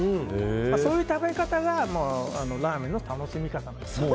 そういう食べ方がラーメンの楽しみ方ですね。